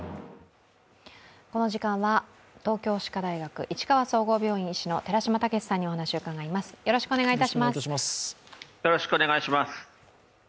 この時間は東京歯科大学市川総合病院医師の寺嶋毅さんにお話を伺います。